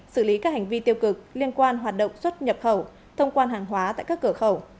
xử lý các hành vi tiêu cực liên quan hoạt động xuất nhập khẩu thông quan hàng hóa tại các cửa khẩu